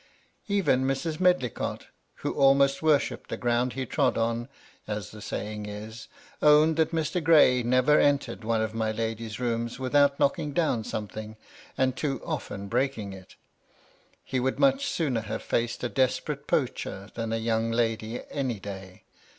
Even Mrs. Medlicott, who almost worshipped the ground he trod on, as the saying is, owned that Mr. Gray never entered one of my lady's rooms without knocking down something, and too often breaking it. He would much sooner have faced a des perate poacher than a young lady any day.